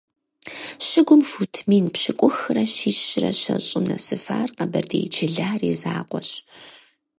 Щыгум фут мин пщыкӀухрэ щищрэ щэщӀым нэсыфар къэбэрдей Чылар и закъуэщ.